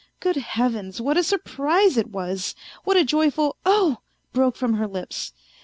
Good Heavens, what a surprise it was ! What a joyful " Oh !" broke from her lips.